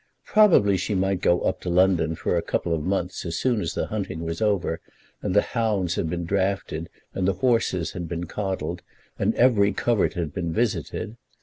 Probably she might go up to London for a couple of months as soon as the hunting was over, and the hounds had been drafted, and the horses had been coddled, and every covert had been visited.